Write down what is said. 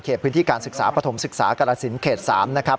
พื้นที่การศึกษาปฐมศึกษากรสินเขต๓นะครับ